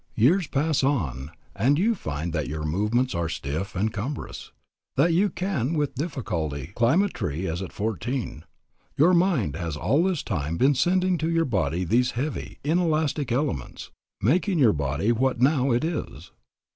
Years pass on and you find that your movements are stiff and cumbrous, that you can with difficulty climb a tree, as at fourteen. Your mind has all this time been sending to your body these heavy, inelastic elements, making your body what now it is.